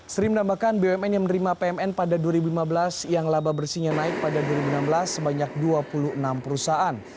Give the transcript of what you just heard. sri menambahkan bumn yang menerima pmn pada dua ribu lima belas yang laba bersihnya naik pada dua ribu enam belas sebanyak dua puluh enam perusahaan